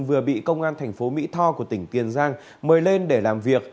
vừa bị công an thành phố mỹ tho của tỉnh tiền giang mời lên để làm việc